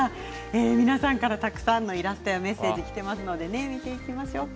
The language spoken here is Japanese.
皆さんから、たくさんのイラスト、メッセージが届いているので見ていきましょうか。